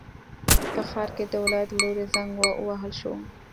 په ښار کې د ولایت له لوري زنګ ووهل شو.